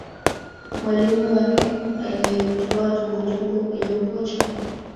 mwalimu wake aliyemtoa tongotongo kwenye ukocha